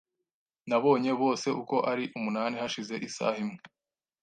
Nabonye bose uko ari umunani hashize isaha imwe .